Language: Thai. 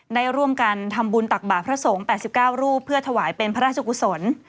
ได้ร่วมกันทำบุญตักบาทพระสงฆ์๘๙รูปเพื่อถวายเป็นพระราชกุศล